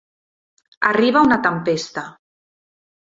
Arriba una tempesta.